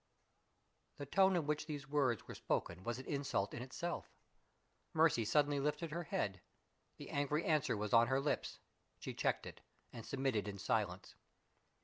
The tone in which those words were spoken was an insult in itself. Mercy suddenly lifted her head; the angry answer was on her lips. She checked it, and submitted in silence.